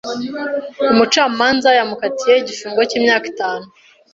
Umucamanza yamukatiye igifungo cy'imyaka itanu.